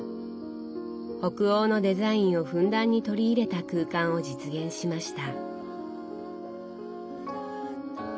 北欧のデザインをふんだんに取り入れた空間を実現しました。